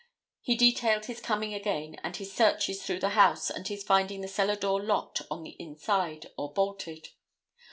He detailed his coming again and his searches through the house and his finding the cellar door locked on the inside, or bolted.